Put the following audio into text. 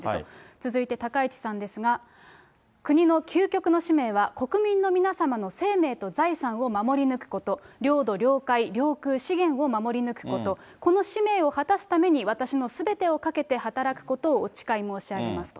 続いて高市さんですが、国の究極の使命は、国民の皆様の生命と財産を守り抜くこと、領土、領海、領空、資源を守り抜くこと、この使命を果たすために私のすべてをかけて働くことをお誓い申し上げますと。